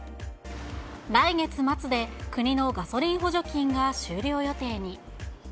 来月末で国のガソリン補助金が終了予定に。